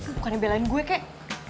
bukannya belain gue kek